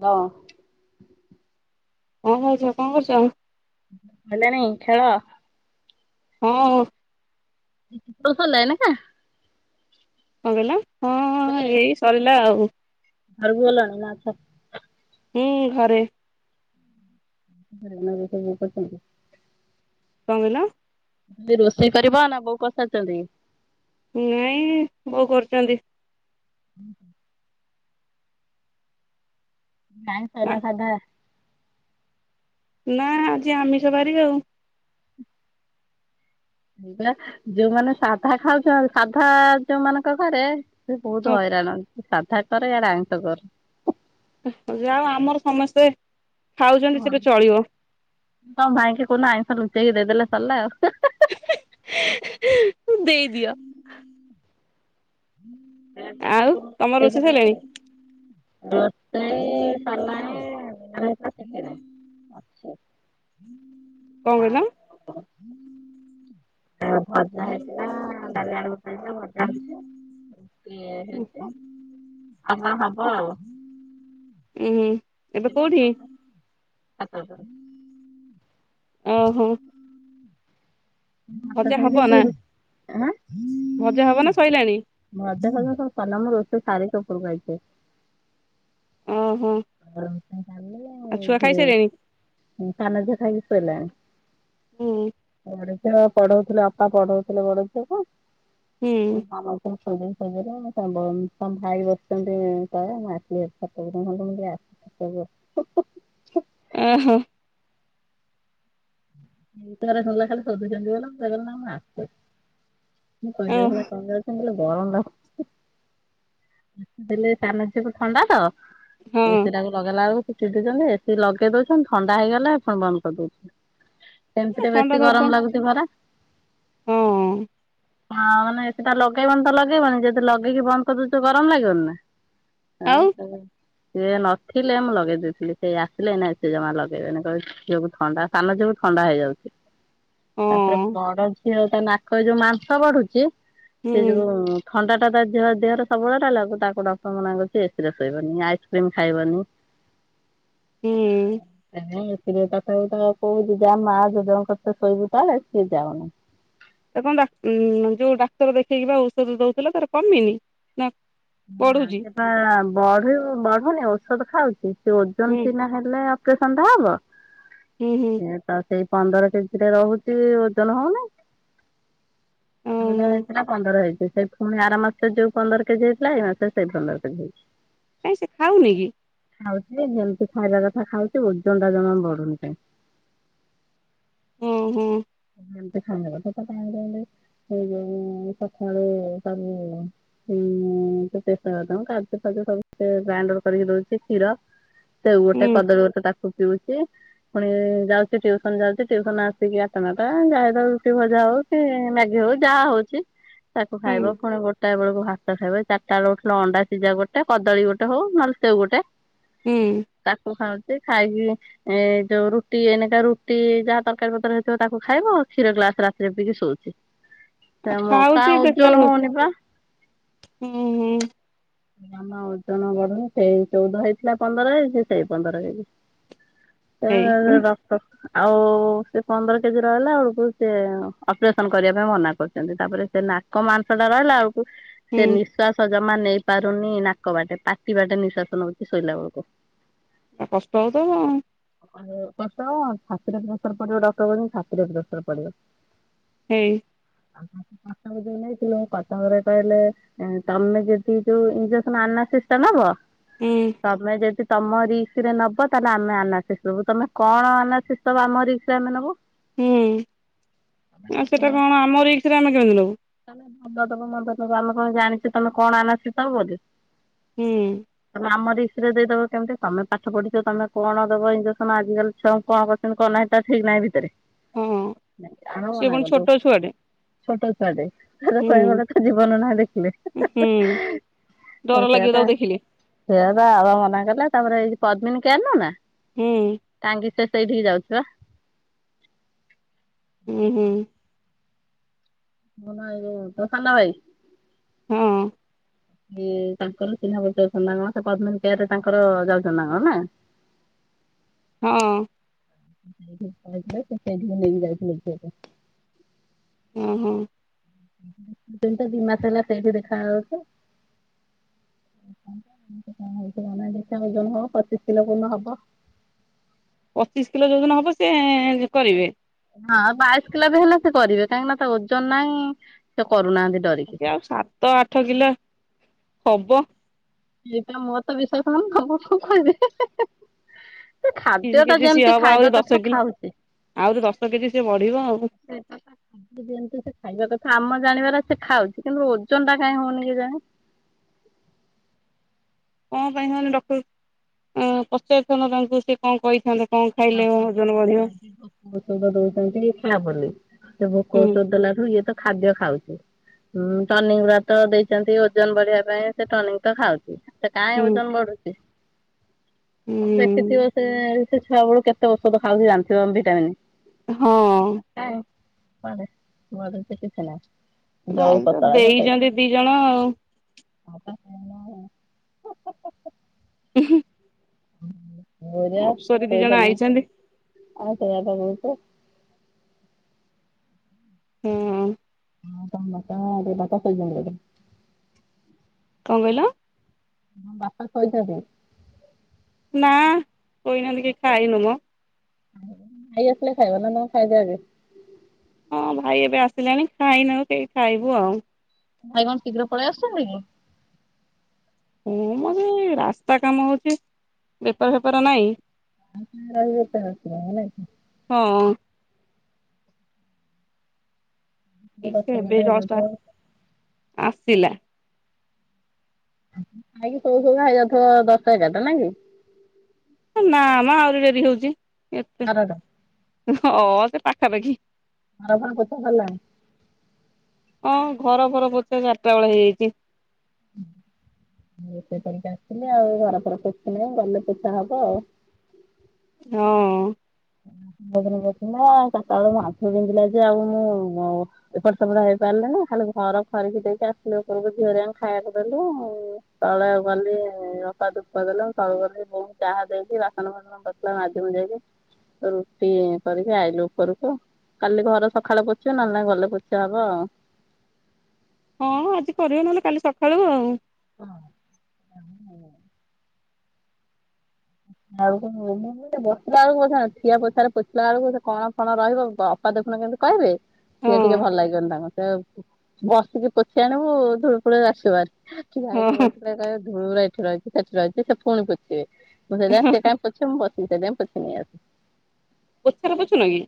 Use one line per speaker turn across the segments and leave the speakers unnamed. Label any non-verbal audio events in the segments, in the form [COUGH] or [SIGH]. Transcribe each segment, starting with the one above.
ହଁ।
[UNINTELLIGIBLE] କଣ କରୁଚ?
ଭଲେ ନାଇଁ ଖେଳ
ହଁ।
ତୋ [UNINTELLIGIBLE]
କଁ କଇଲ?
ମୁଁ କଇଲି ହେଇନେ ଘରକୁ ଗଲଣି ନା ଅଛ?
ହୁଁ ଘରେ।
[UNINTELLIGIBLE]
କଁ କଇଲ?
[UNINTELLIGIBLE] ରୋଷେଇ କରିବା ନା ବୋଉ କରସାରଚନ୍ତି?
ନାଇଁ ବୋଉ କରୁଚନ୍ତି।
ହୁଁ ହୁଁ। ଉଁ ଆଇଁଷ ନା ସାଧା?
ନା ଆଜି ଆମିଷ ବାରି ଆଉ।
ଏଇପା ଯୋଉମାନେ ସାଧା ଖାଉଛନ୍ତି ସାଧା ଯୋଉମାନଙ୍କ ଘରେ। ସେ ବହୁତ ହଇରାଣ ସାଧା କରେ ଇଆଡେ ଆଇଁଷ କରେ।
ହଁ ଯାହା ହଉ ଆମର ସମସ୍ତେ। ଖାଉଛନ୍ତି ସେବେ ଚଳିବ
[INAUDIBLE] ତମ ଭାଇଙ୍କି କଉ ଦିନ ଆଇଁଷ ଲୁଚେଇ କି ଦେଇ ଦେଲେ ସରିଲା ଆଉ।
ଦେଇ ଦିଅ।
ସେୟା କହୁଚି କଣ
ତମର
ଲୁଚେଇକି
ରୋଷେଇ
ଦେଇଦେ।
ସରିଲାଣି
ରୋଷେଇ ସନମାନେ ଦିନ ବେଳେ ପରା ଚିକେନେ। ଆଚ୍ଛା
କଣ କହିଲ
ଆଉ କଣ କୁହ? ଏ ଭଜା ହେଇଥିଲା ଡାଲି ଆଳୁଭର୍ତ୍ତା ହେଇଥିଲା ଭଜା ହେଇଚି। ଏ ହେ
ଉଁ
ଆଉ କଣ ହବ ଆଉ।
ହୁଁ ଏବେ
ସେଇ
କୋଉଠି
ଭାତ ଟା ଭାତ ଟା।
ଉଁ ହୁଁ।
ଭାତ ଖାଇବେ
ନା
ସେ ରୁ ଆଁ।
ଭଜା ହବ ନା ସଇଲାଣି?
ଭଜା ଫଜା ସବୁ ସରିଲା ମୁଁ ରୋଷେଇ ସାରିକି ଉପରକୁ ଆଇଚି।
ଓହୋ
ଆଉ ରୋଷେଇ ସାରିଲୀଣି ଆଉ
ଛୁଆ
ଝିଅ
ଖାଇସାରିଲେଣି
ଉଁ ସାନ ଝିଅ ଖାଇକି ଶୋଇଲାଣି।
ହୁଁ।
ବଡ ଝିଅ ପଢଉଥିଲେ ଅପା ପଢଉଥିଲେ ବଡ ଝିଅକୁ
ହୁଁ
ଉଁ ସାନ ଝିଅ ଶୋଇପଡ଼ିଲେ ଶୋଇପଡ଼ିବ ନହେଲେ ସମ୍ଭବ ନୁହେଁ ତମ ଭାଇ ବସିଛନ୍ତି ତଳେ ମୁଁ ଆସିଚି ଏଠି ଛାତ ଉପରେ [UNINTELLIGIBLE] ଆସିଚି ଛାତ ଉପରେ ହୁଁ ହୁଁ ହୁଁ ହୁଁ।
ଉଁ ହୁଁ।
ଇଏ ତାର ଗଲା ଖାଲି ଶୋଦୁଛନ୍ତି ଗଲା ମୁଁ କହିଲି ନା ମୁଁ ଆସୁଚି। ମୁଁ
ଓ
କହିଲି ହେଲା [UNINTELLIGIBLE] ଲୋ। ଗରମ ଲାଗୁଚି ଦେଲେ ପାନ ଛେପ୍ ଥଣ୍ଡା ତ। ଏ ସି
ହଁ
ଟାକୁ ଲଗେଇଲା ବେଳୁକୁ। ସେ ଚିଡୁଛନ୍ତି ଏ ସିି ଲଗେଇ ଦଉଛନ୍ତି ଥଣ୍ଡା ହେଇଗଲେ ପୁଣି ବନ୍ଦ କରିଦଉଛନ୍ତି। ସେମିତିରେ
ଥଣ୍ଡା
ବେଶୀ
ଧରିଥିବ
ଗରମ ଲାଗୁଛି ପରା।
ହଁ।
ହଁ ମାନେ ଏ ସି ଟା ଲଗେଇବନି ତ ଲଗେଇବନି ଯଦି ଲଗେଇକି ବନ୍ଦ କରିଦଉଚ ଗରମ ଲାଗିବନି ନା। ଆଉ ଲଗାଏ। ସିଏ ନଥିଲେ ମୁଁ ଲଗେଇ ଦେଇଥିଲି ସିଏ ଆସିଲେ ଏଇନା ଏ ସି ଜମା ଲଗେଇବେନି କହିବେ ଝିଅକୁ ଥଣ୍ଡା ସାନ ଝିଅ କୁ ଥଣ୍ଡା ହେଇଯାଉଛି
ହଁ
ତାପରେ ବଡ ଝିଅକୁ ତା ନାକ ରେ ଯୋଉ ମାଂସ ବଢୁଛି ସେ
ହୁଁ
ଯୋଉ ଥଣ୍ଡା ଟା ତା ଦେହରେ ଦେହର ସବୁବେଳେ ରହିଲାକୁ ତାକୁ ଡକ୍ଟର ମନା କରିଛି ଏ ସି ରେ ଶୋଇବନି ଆଇସ୍କ୍ରିମ୍ ଖାଇବନି।
ହୁଁ
ଏ ନାଇ ଏଥିରେ ତଥାପି ତ କହୁଚି ଯା ମା ଜେଜଙ୍କ କତିରେ ଶୋଇବୁ ତଳେ ସିଏ ଯାଉନି।
ତାକୁ କଣ ଡାକ ଉଁ ଯୋଉ ଡାକ୍ତର ଦେଖେଇକି ବା ଔଷଧ ଦଉଥିଲ ତାର କମିନି ନା
ନା
ବଢୁଛି
ସେଟା ବଢୁ ବଢୁନି ଔଷଧ ଖାଉଛି। ସେ ଓଜନ
ହୁଁ
ସିନା ହେଲେ ଅପରେସନ ଟା ହବ
ହୁଁ ହୁଁ
ସେ ତ ସେଇ ପନ୍ଦର କେଜିରେ ରହୁଛି ଓଜନ ହଉନି। ଚଉଦ
ଓହୋ
ହେଇଥିଲା ପନ୍ଦର ହେଇଛି ସେଇ ଫୁଣି ଆର ମାସ ଯୋଉ ପନ୍ଦର କେଜି ଥିଲା ଏଇ ମାସରେ ସେଇ ପନ୍ଦର କେଜି ହେଇଚି।
କାଇଁ ସେ ଖାଉନି କି?
ଖାଉଛି ଯେ ଯେମିତି ଖାଇବା କଥା ଖାଉଛି ଓଜନ ଟା ଜମା ବଢୁନି ତାର।
ଉଁ ହୁଁ।
ଏମିତି ସାଙ୍ଗ କଥା [UNINTELLIGIBLE] ଏଇ ଯଉ ସଖାଳୁ ତାକୁ। ହୁଁ ମୁଁ ସେ ପେସ୍ତା ବାଦାମ କାଜୁ ଫାଜୁ ସବୁ ଏ ଗ୍ରାଇଣ୍ଡର କରିକି ଦଉଛି କ୍ଷୀର। ସେଉ ଗୋଟେ
ହୁଁ
କଦଳୀ ଗୋଟେ ତାକୁ ପିଉଛି ଫୁଣି ଯାଉଛି ଟିଉସନ ଯାଉଛି ଟଉସନ ଆସିକି ସାଢ଼ ନଅ ଟା ଯାହା ହେଇଥାଉ ରୁଟି ଭଜା ହଉ କି ମାଗି ହଉ ଯାହା ହଉଛି। ତାକୁ
ହୁଁ
ଖାଇବ ପୁଣି ଗୋଟାଏ ବେଳକୁ ଭାତ ଖାଇବେ ଚାରିଟା ବେଳକୁ ଫୁଣି ଅଣ୍ଡା ସିଝା ଗୋଟେ କଦଳୀ ଗୋଟେ ହଉ ନହେଲେ ସେଉ ଗୋଟେ
ହୁଁ
ତାକୁ ଖାଉଚି ସେ ଖାଇକି ଏ ଯୋଉ ରୁଟି ଏନିକା ରୁଟି ଯାହା ତରକାରୀ ପତ୍ରର ହେଲେ ତ ତାକୁ ଖାଇବ କ୍ଷୀର ଗ୍ଲାସ ରାତିରେ ପିକି ଶୋଉଚି। ସେ
ଆଉ
ମ କା
ଖାଉଛି ଦେଖିଲା
ଓଜନ
ବେଳକୁ
ହଉନି ପା
ହୁଁ ହୁଁ
ଆମେ ଓଜନ କଲୁ ସେଇ ଚଉଦ ହେଇଥିଲା ପନ୍ଦର କେଜି ସେଇ ପନ୍ଦର କେଜି। ସେ
ହେଇ ହୁଁ
ଡକ୍ଟର ଆଉ ସେ ପନ୍ଦର କେଜି ରହିଲା ବେଳକୁ ସେ ଅପରେସନ କରିବା ପାଇଁ ମନା କରୁଛନ୍ତି ତାପରେ ସେ ନାକ ମାଂସ ଟା ରହିଲା ଆଳକୁ ସେ
ହୁଁ
ନିଶ୍ୱାଶ ଜମା ନେଇ ପାରୁନି ନାକ ବାଟେ ପାଟି ବାଟେ ନିଶ୍ୱାସ ନୋଉଚି ଶୋଇଲା ବେଳକୁ।
କଷ୍ଟ ହଉଥବ
କଷ୍ଟ ହବ ଛାତିରେ ପ୍ରେସର ପଡିବ ଡକ୍ଟର କହିଛନ୍ତି ଛାତିରେ ପ୍ରେସର ପଡିବ।
ହେଇ
କଟକ ଯାଏ ନେଇଥିଲୁ କଟକରେ କହିଲେ ତମେ ଯ ସେ ଯୋଉ ଇଞ୍ଜେକ୍ସନ ଆନାସିଷ୍ଟନ ନବ
ହୁଁ
ତମେ ଯଦି ତମ ରିକ୍ସ ରେ ନବ ତାହେଲେ ଆମେ ଆନାସିଷ ନବୁ ତମେ କଣ ଆନାସିଷ ଦବ ଆମ ରିକ୍ସ ରେ ଆମେ ନବୁ
ହୁଁ ଆଉ ସେଟା କଣ ଆମ ରିକ୍ସରେ ଆମେ କେମିତି ନବୁ
ତମେ ଭଲ ଦେବ ମ ତବ ଆମେ କଣ ଜାଣିଛୁ ତମେ କଣ ଆନାସିସ୍ ଦବ ବୋଲି
ହୁଁ
ତମେ ଆମ ରିକ୍ସରେ ଦେଇଦବ କେମତି ତମେ ପାଠ ପଢିଛ ତମେ କଣ ଦବ ଇଞ୍ଜେକ୍ସନ ଆଜାକାଲି ଛୁଆଙ୍କୁ କଣ କରିଚନ୍ତି କଣ ନାହିଁ ତା ଠିକ୍ ନାହିଁ ଭିତରେ।
ହଁ
ଆମେ
ସେ
ମନା
ପୁଣି
କରିଦଉ
ଛୋଟ ଛୁଆଟେ।
ଛୋଟ ଛୁଆଟେ ତାର କହିବାକୁ
ହୁଁ
ଗଲେ ତା ଜୀବନ ନାହିଁ ଦେଖିଲେ।
ହୁଁ ଡର
ଆଉ
ଲାଗିବ ତାକୁ
ସେୟାପା
ଦେଖିଲେ
ସେୟାପା ବାବା ମନା କଲେ ତାପରେ ଏଇ ପଦ୍ମିନୀ କେୟାର ନୁ ନା
ହୁଁ
ସେଇଠିକି ଯାଉଚି ବା
ହୁଁ ହୁଁ
ହ ନା ଏଇ ଯୋଉ ତୋ ସାନ ଭାଇ
ହଁ
ଇଏ ତାଙ୍କର ଚିହ୍ନାପରିଚୟ ଅଛନ୍ତିନା କଣ ସେ ପଦ୍ମାନି କେୟାର ରେ ତାଙ୍କର ଯାଉଛନ୍ତିନା କଣ ନା [INAUDIBLE]
ହଁ
ସେଇଠିକି ନେଇଥିଲେ ସେ ସେଇଠିକି ନେଇକି ଯାଇଥିଲେ ପୁଅକୁ।
ଓ ହୋ
ଦି ମାସେ ହେଲା ସେଇଠି ଦେଖା ହୋଉଛି। ଦେଖିଆ କଣ ହେଉଚି କଣ ନାଇ କେତେ ଓଜନ ହବ ପଚିଶ କିଲୋ କୋଉଦିନ ହବ।
ପଚିଶ କିଲୋ ଯୋଉଦିନ ହବ ସେ କରିବେ
ହଁ ବାଇଶ କିଲୋ ବି ହେଲେ ସେ କରିବେ କାହିଁକି ନା ତା ଓଜନ ନହିଁ ସେ କର
ଆ ଆଉ ସାତ ଆଠ କିଲୋ ହବ
ଏଇଟା ମୋର ତ ବିଶ୍ୱାସ ହୋଉନି ତମକୁ କଣ କହିବି ହି ହି ହି ସେ ଖାଦ୍ୟ
ତିରିଶ
ଟା
କେଜି ସିଏ
ଯେମିତି
ହବ
ଖାଇବା
ଆହୁରି ଦଶ
କଥା
କିଲୋ
ଖାଉଚି।
ଆହୁରି ଦଶ କେଜି ସିଏ ବଢିବ ଆଉ
ସେ ବାପା ଖା ଦିଅନ୍ତୁ ସେ ଖାଇବା କଥା ଆମ ଜାଣିବାର ସେ ଖାଉଛି କିନ୍ତୁ ଓଜନ ଟା କାହିଁ ହଉନି କେଜାଣି।
କଣ ପାଇଁ ନହେଲେ ଡକ୍ତରକୁ ଉଁ ପଚରିଥାନ୍ତ ତମକୁ ସେ କଣ କହିଥାନ୍ତେ। କଣ ଖାଇଲେ
[UNINTELLIGIBLE]
ଓଜନ ବଢିବ।
ଓଷଧ ଦେଉଚନ୍ତି ଖା ବୋଲି ସେ ବୋହୂ
ହୁଁ
[UNINTELLIGIBLE] ଦେଲାଠୁ ଇଏ ତ ଖାଦ୍ୟ ଖାଉଛି ଉଁ ଟନିକ ଗୁଡା ତ ଦେଇଛନ୍ତି ଓଜନ ବଢିବା ପାଇଁ ସେ ଟନିିକ ତ ଖାଉଛି। ସେ କାହିଁ
ହୁଁ
ଓଜନ ବଢୁଛି ଦେଖିଥିବ
ହୁଁ
ସେ ସେ ଛୁଆ ବେଳୁ କେତେ ଔଷଧ ଖାଉଛି ଜାଣିଥିବ ଭିଟାମିନ୍
ହଁ।
[UNINTELLIGIBLE]
ଆଇ
ଯୋଉ
ତ
ପତଳାକୁ ସେଇ
ଦେଇଛନ୍ତି ଦିଜଣ ଆଉ।
[UNINTELLIGIBLE]
ଅପସରୀ ଦି ଜଣ ଆଇଛନ୍ତି।
[UNINTELLIGIBLE]
ହୁଁ।
ହଁ ତମ ବାପା [UNINTELLIGIBLE]
କଣ କହିଲ?
ବାପା [UNINTELLIGIBLE]
ନା [UNINTELLIGIBLE] ଖାଇନୁ ମ
ଭାଇ ଆସିଲେ ଖାଇବ ନା ତମେ‌ ଖାଇଦବ ଆଗେ?
ହଁ ଭାଇ ଏବେ ଆସିଲେଣି ଖାଇ ନାହୁଁ କେହି ଖାଇବୁ ଆଉ।
ଭାଇ କଣ ଶୀଘ୍ର ପଳେଇ ଆସୁଛନ୍ତି କି?
ହୁଁ ମ ସେଇ ରାସ୍ତା କାମ ହଉଛି ବେପାର ଫେପାର ନାଇଁ
[UNINTELLIGIBLE]
ହଁ।
କି
ସେ
ଦଶଟା
ଏବେ
ଏଗାରଟା
ଜଷ୍ଟ୍
ହେଇଯାଉଥିବ
ଆ ଆସିଲା।
ଖାଇକି ଶୋଉ ଶୋଉ ହେଇଯାଉଥିବ ଦଶଟା ଏଗାର ଟା ନାଇଁ କି?
ନା ମ ଆହୁରି ଡ଼େରି ହଉଛି ଏତେ
ବାରଟା
ହଁ ସେ ପାଖାପାଖି।
ଘର ଫର ପୋଛା ସରିଲାଣି?
ହଁ ଘର ଫର ପୋଛା ଚାରଟା ବେଳେ ହେଇଯାଇଛି।
[UNINTELLIGIBLE] ରୋଷେଇ କରିକି ଆସିଥିଲି ଆଉ ଘର ଫର ପୋଛିନି ଗଲେ ପୋଛା ହବ ଆଉ।
ହଁ।
[UNINTELLIGIBLE] ମୋ ଆଣ୍ଠୁ ବିନ୍ଧିଲା ଯେ ଆଉ ମୁଁ ଏପଟେ ସେପଟ ହେଇପାରି ଖାଲି ଘର ଖରିକି ଦେଇକି ଆସିଲି ଉପରକୁ ଝିଅ [UNINTELLIGIBLE] ଖାଇବାକୁ ଦେଲୁ ତଳେ ଗଲି ଅପା ଦୁପ ଦେଲେ ତଳକୁ ଗଲି ବୋଉଙ୍କୁ ଚାହା ଦେଇକି ବାସନ ବାସନ ପଡିଥିଲା ମାଜି ମୁଜାକି ରୁଟି କରିକି ଆଇଲି ଉପରକୁ। କାଲି ଘର ସକାଳେ ପୋଛିବି ନହଲେ ନାଇଁ ଗଲେ ପୋଛାହବ ଆଉ
ହଁ ଆଜି କରିବ ନହେଲେ କାଲି ସକାଳୁ ଆଉ।
ହଁ [UNINTELLIGIBLE] ଆଉ କଣ ମୁଁ ବସିଲା ବେଳକୁ [UNINTELLIGIBLE] ଠିଆ ପୋଛାରେ ପୋଛିଲା ବେଳକୁ ସେ କଣ କଣ ରହିବ ଅପା ତା [UNINTELLIGIBLE] କହିବେ।
ହଁ
ସିଏ ଟିକେ ଭଲ ଲାଗିବନି ତାଙ୍କୁ ସେ ବସିକି ପୋଛି ଆଣିବୁ ଧୂଳି ଫୂଳି ଆସିବ ହେରି। ଠିଆ
ହଁ
ହେଇକି‌
ହଁ
ପୋଛିଲେ କହିବେ ଧୂଳି ଉରା ଏଠି ରହିଛି ସେଠି ରହିଛି ସେ ପୁଣି ପୋଛିବେ। ମୁଁ ସେଇଥିପାଇଁ ସେ କାଇଁ ପୋଛିବେ ମୁଁ ବସିକି ସେଇଥିପାଇଁ ପୋଛି ନେଇ ଆସେ।
ପୋଛା ରେ ପୋଛୁ ନ କି?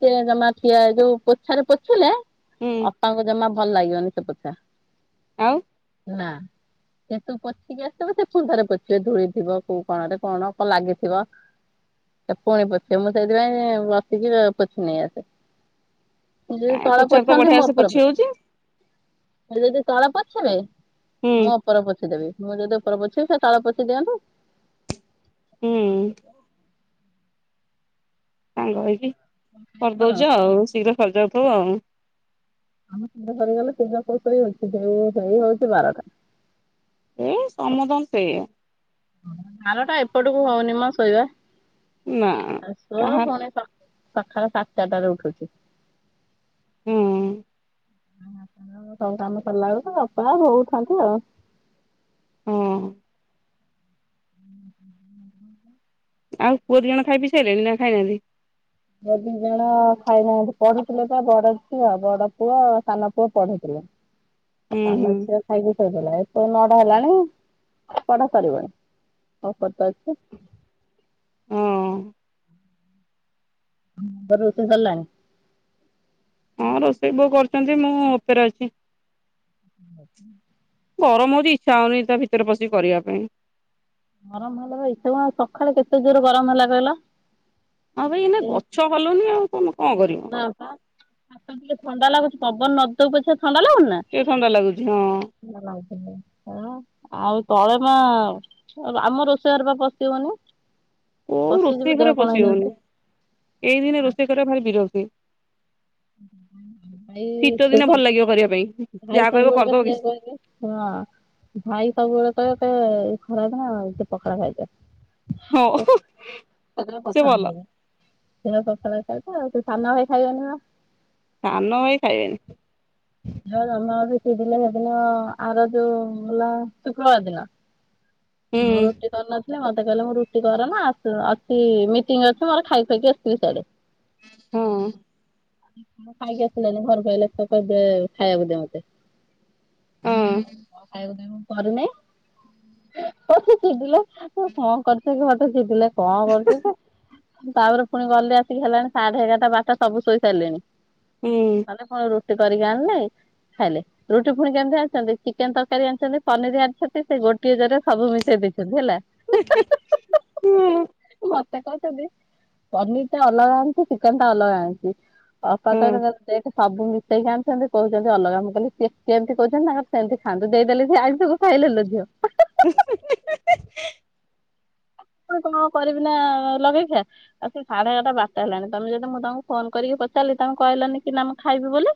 ସେ ଜମା ଠିଆ ଯୋଉ ପୋଛାରେ ପୋଛିଲେ
ହୁଁ
ଅପା ଙ୍କୁ ଜମା ଭଲ ଲାଗିବନି।
ଆଉ
ନା ସେ ତୁ ପୋଛିକି ଆସିଥିବୁ ସେ ପୁଣି ଥରେ ପୋଛି ସିଏ ଧୂଳିଥିବ କୋଉ କଣରେ କଣ କଣ ଲାଗିଥିବ। ପୁଣି ପୋଛିବେ ମୁଁ ସେଇଥିପାଇଁ ବସିକି ପୋଛିନେଇ ଆସେ। ସିଏ
କାଇଁ
ତଳ
ପୋଛାରେ ତ
ପୋଛନ୍ତି
ବଢିଆ
ମୁଁ
ସେ
ଓପର
ପୋଛି
ପୋଛେ‌।
ହଉଛି
ସିଏ ଯଦି ତଳେ ପୋଛିବେ
ହୁଁ
ମୁଁ ଓପର ପୋଛିଦେବି ମୁଁ ଯଦି ଓପର ପୋଛିବି ସେ ତଳ ପୋଛି ଦିଅନ୍ତି।
ହୁଁ ସାଙ୍ଗ ହେଇକି କରିଦଉଛ ଆଉ ଶୀଘ୍ର ସରିଯାଉଥିବ ଆଉ।
ନା ମ ଶୀଘ୍ର ସରିଗଲେ ଶୀଘ୍ର କୋଉ ଶୋଇ ହଉଛି [UNINTELLIGIBLE] ହଉଛି ବାରଟା।
ଏଇ [UNINTELLIGIBLE]
ବାରଟା ଏପଟକୁ ହଉନି ମ ଶୋଇବା।
ନା
ଆ ଶୋ
କାହାର
ପୁଣି ସକାଳ ସାଢ଼େ ଚାରିଟା ରେ ଉଠୁଛି।
ହୁଁ।
ଉଁ ସବୁ କାମ ସରଲା ବେଳକୁ ତ ଅପା ବୋଉ ଥାନ୍ତି ଆଉ।
ହଁ।
ହୁଁ
ଆଉ ପୁଅ ଦିଜଣ ଖାଇ ପିଇ ସାଇଲେଣି ନା ଖାଇନାହାନ୍ତି।
ପୁଅ ଦିଜଣ ଖାଇନାହାନ୍ତି ପଢୁଥିଲେ ପା ବଡଝିଅ ବଡପୁଅ ଆଉ ସାନପୁଅ ପଢୁଥିଲେ।
ହୁଁ
ଖାଇ
ହୁଁ।
ନଥିଲା ଖାଇକି ଶୋଇପଇଲା ଏତୋ ନ ହେଲାଣି ପଢା ସରିବଣି ତ [UNINTELLIGIBLE] ଅଛି।
ହଁ
ତୋର ରୋଷେଇ ସରିଲଣି?
ହଁ ରୋଷେଇ ବୋଉ କରୁଚନ୍ତି ମୁଁ ଉପରେ ଅଛି। ଗରମ ହୋଉଚି ଇଚ୍ଛା ହୋଉନି ତା ଭିତରେ ପଶିକି କରିବା ପାଇଁ।
ଗରମ ହେଲେ ତ ଇଛା ଆ ସଖାଳେ କେତେ ଜୋରେ ଗରମ ହେଲା କହିଲ।
ଆଉ ଭାଇ ଏଇନା
ସେଇ
ଗଛ ହଲୁନି ଆଉ ତମେ କଣ କରିବ।
ନା ପା ହାତ ଟିକେ ଥଣ୍ଡା ଲାଗୁଚି ପବନ ନଦୋଉ ପଛେ ଥଣ୍ଡା ଲାଗୁନି ନା?
ଟିକେ ଥଣ୍ଡା ଲାଗୁଛି ହଁ।
ଆଉ ତଳେ ମାଆ-ଆ-ଆମ ରୋଷେଇ ଘରେ ପା ପଶିହବନି।
କୋଉ ରୋଷେଇ ଘରେ ପଶିହୋଉନି ଏଇ ଦିନେ ରୋଷେଇ କରିବା ଭାରି ବିରକ୍ତି।
ଭାଇ
ଶୀତ
ସେ
ଦିନେ ଭଲ ଲାଗିବ କରିବା ପାଇଁ
ସବୁ ଭାଇ
ଯାହା କହିବ
ସବୁବେଳେ
କରିଦବ
ବସିଲେ
କିଛି
କହିବେ ଶୁଣ ଭାଇ ସବୁବେଳେ କହିବେ କହିବେ ଖରାଦିନ ସେ ପଖାଳ ଖଇଦେ।
ହଁ ସିଏ ଭଲ।
ସିଏ ପଖାଳ ଖାଇଦବ ଆଉ ସେଇ ସାନଭାଇ ଖାଇବନି ପା।
ସନ ଭାଇ ଖାଇବେନି।
ଯେ ସାନଭାଇ ବି ଆସିଥିଲେ ସେଦିନ ଆର ଯୋଉ ଲ-ଶୁକ୍ରବାର ଦିନ।
ହୁଁ
ମୁଁ ରୁଟି କରିନଥିଲି ମ ସେ କହିଲେ ମୋର ରୁଟି କରନା ଆସ-ଅଛି ମିଟିଂ ଅଛି ମୋର ଖାଇ ଖୁଆକି ଆସିବି ସିଆଡେ।
ହଁ
ଖାଇକି ଆସିଲାନି ଘରକୁ ଆଇଲା [UNINTELLIGIBLE] ଦେ ଖାଇବାକୁ ଦେ ମତେ
ହଁ
ଖାଇବାକୁ ଦେମ କରିନେଇ ତ ସିଏ ଚିଡିଲା ମୁଁ କଣ କରୁଚି ଏ ଘରଟା ଚିଡିଲା। କଣ କରୁଚି ଯେ ତାପରେ ପୁଣି ଗଲେ ଆସିକି ହେଲାଣି ସାଢେ ଏଗାରଟା ବାରଟା ସବୁ ଶୋଇ ସାରିଲିଣି।
ହୁଁ।
ଗଲେ ଫୁଣି ରୁଟି କରିକି ଆଣିଲେ ଖାଇଲେ ରୁଟି ଫୁଣି କେମିତି ଆଣିଚନ୍ତି ଚିକେନ ତରକାରୀ ଆଣିଚନ୍ତି, ପନିର ଆଣିଚନ୍ତି ସେଇ ଗୋଟିଏ ଜରିରେ ସବୁ ମିଶେଇ ଦେଇଛ୍ ବୁଝି ହେଲା?
ହଁ
ଅପା କୋହୁଚନ୍ତି ପନିରଟା ଅଲଗା ଆଣିଚି ଚିକେନଟା ଅଲଗା ଆଣିଚି। ଅପା କଣ
ହଁ
କଲେ ଯାଇକି ସବୁ ମିଶେଇକି ଆଣୁଚନ୍ତି କୋହୁଚନ୍ତି ଅଲଗା ମୁଁ କହିଲି ସିଏ-ସିଏ ଏମତି କୋହୁଚନ୍ତି ତାଙ୍କର ସେମତି ଖାଆନ୍ତୁ ଦେଇଦେଲେ ସିଏ ଆଳୁଟାକୁ ଖାଇ ନେଲ ଝିଅ
ଉଁ ହୁଁ ହୁଁ ହୁଁ ହୁଁ।
ତ କଣ କରିବି ନା ଲଗେଇଖିଆ ଆସିକି ସାଢେ ଏଗାରଟା ବାରଟା ହେଲାଣି ତମେ ଯଦି ମୁଁ ତାଙ୍କୁ ଫୋନ କରିକି ପଚାରିଲି ତମେ କହିଲନି କି ନା ମୁଁ ଖାଇବି ବୋଲି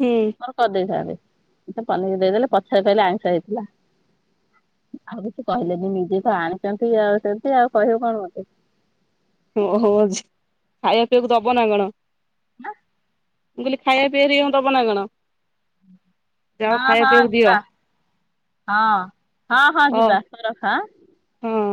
ହୁଁ
କରିଦେଇଥାନ୍ତି। ସେ ପନିର ଦେଇଦେଲେ ପଛରେ କହିଲେ ଆଇଷଁ ହେଇଥିଲା। ଆଉ କିଛି କହିଲେନି ନିଜେ ତ ଆଣିଚନ୍ତି ଆଉ ସେମତି ଆଉ କହିବେ କଣ ମତେ।
ଓହୋ ଜି-ଖାଇବା ପିଇବାକୁ ଦବ ନା କଣ?
ନାଁ
ମୁଁ କହିଲି ଖାଇବାକୁ ପିଇବାକୁ ଦେଇ କଣ ଦବ ନା କଣ? ଯାଅ
ହଁ
ଖାଇବା
ହଁ
ପିଇବାକୁ
ଯିବା।
ଦିଅ।
ହଁ ହଁ ହଁ
ହ
ଯିବା ରଖରଖ ଆଁ।
ହଁ।